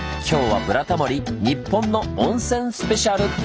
今日は「ブラタモリ日本の温泉スペシャル」！